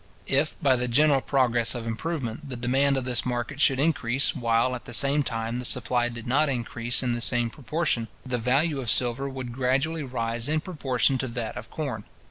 If, by the general progress of improvement, the demand of this market should increase, while, at the same time, the supply did not increase in the same proportion, the value of silver would gradually rise in proportion to that of corn.